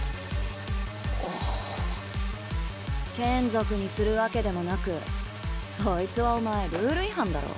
眷属にするわけでもなくそいつはお前ルール違反だろ。